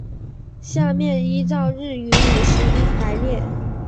下面依照日语五十音排列。